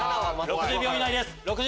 ６０秒以内です。